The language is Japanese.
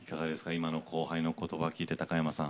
今の後輩のことば聞いて、高山さん。